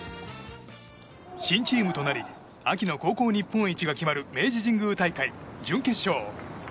新チームとなり秋の高校日本一が決まる明治神宮大会準決勝。